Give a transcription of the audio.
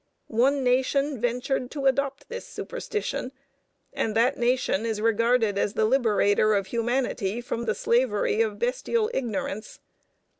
One nation ventured to adopt this superstition, and that nation is regarded as the liberator of humanity from the slavery of bestial ignorance.